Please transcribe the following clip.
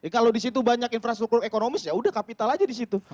kalau di situ banyak infrastruktur ekonomis yaudah kapital saja di situ